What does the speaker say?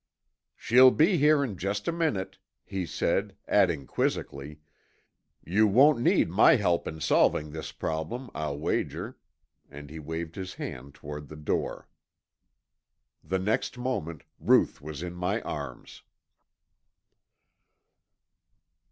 "She'll be here in just a minute," he said, adding quizzically, "You won't need my help in solving this problem, I'll wager," and he waved his hand toward the door. The next moment Ruth was in my arms.